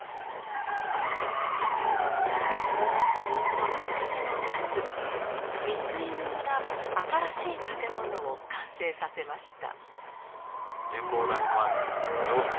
この年の夏三井組が新しい建物を完成させました。